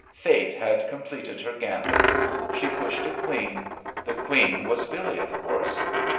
Fate had completed her gambit. She pushed a queen. The queen was Billee, of course.